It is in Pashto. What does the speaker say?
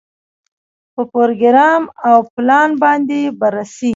په پروګرام او پلان باندې بررسي.